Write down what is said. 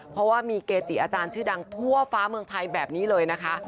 เพราะว่ามีเกจิอาจารย์ชื่อดังทั่วฟ้าเมืองไทยแบบนี้เลยนะคะ